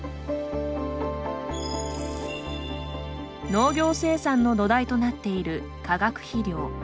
農業生産の土台となっている化学肥料。